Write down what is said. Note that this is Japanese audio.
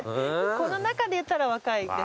この中でいったら若いですか？